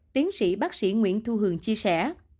tiến sĩ bác sĩ nguyễn thu hường chia sẻ